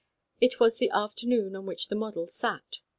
It was the afternoon on which the model sat.